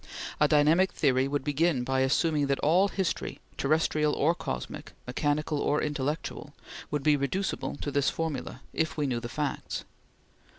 A dynamic theory would begin by assuming that all history, terrestrial or cosmic, mechanical or intellectual, would be reducible to this formula if we knew the facts.